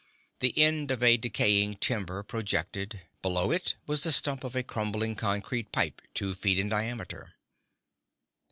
The end of a decaying timber projected; below it was the stump of a crumbling concrete pipe two feet in diameter.